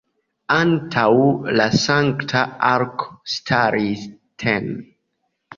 Antaŭ la Sankta Arko staris tn.